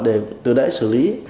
để từ đấy xử lý